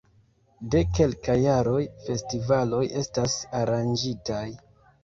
De kelkaj jaroj festivaloj estas aranĝitaj.